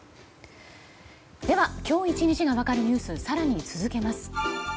今日１日が分かるニュースを更に続けます。